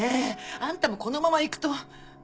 あんたもこのまま行くと。